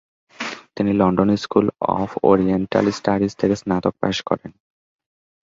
তিনি London School of Oriental Studies থেকে স্নাতক পাশ করেন।